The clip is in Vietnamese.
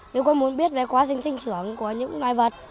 nếu có muốn biết về quá trình sinh trưởng của những loài vật